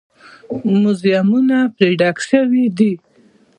موزیمونه پرې ډک شوي دي.